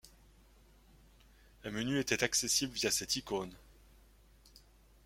Un menu était accessible via cette icône.